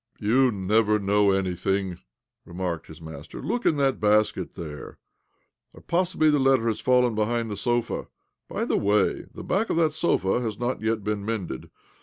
" You never know anything," remarked his master. "Look in that basket there. Or possibly the letter has fallen behind the sofa? By the way, the back of that sofa has not yet been mended.